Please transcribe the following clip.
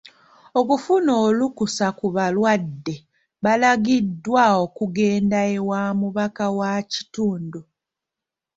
Okufuna olukusa ku balwadde balagiddwa okugenda ewa mubaka wa kitundu.